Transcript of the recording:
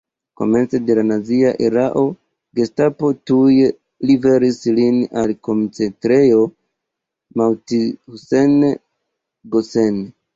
Komence de la nazia erao Gestapo tuj liveris lin al Koncentrejo Mauthausen-Gusen.